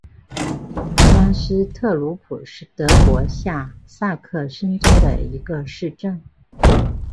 拉斯特鲁普是德国下萨克森州的一个市镇。